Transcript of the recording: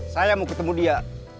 saya mau ketemu dia